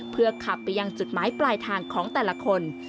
เพื่อขับไปยังจุดหมายปลายทางของแต่ละคน